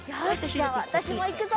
じゃあわたしもいくぞ！